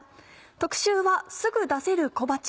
特集は「すぐ出せる！小鉢」。